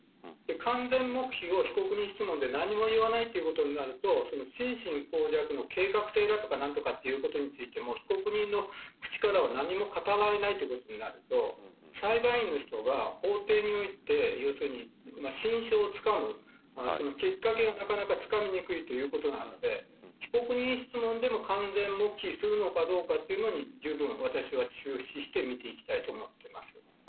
完全黙秘を被告人質問で何も言わないということになると心神耗弱の計画性だとかということについても被告人の口からは何も語られないということになると裁判員の人は法廷において心証をつかむきっかけがなかなかつかみにくいということなので被告人質問でも完全黙秘するのかどうかというのにじゅうぶん私は注視して見ていきたいと思っています。